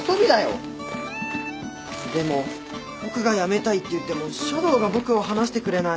でも僕がやめたいっていっても書道が僕を放してくれない。